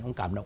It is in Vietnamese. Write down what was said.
ông cảm động